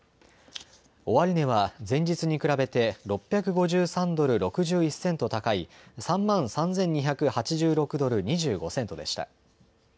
終値は前日に比べて６５３ドル６１セント高い３万３２８６ドル２５セントでした。